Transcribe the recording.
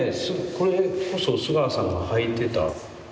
これこそ須川さんが履いてた。